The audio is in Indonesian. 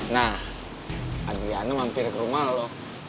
nah adriana mampir ke rumah lo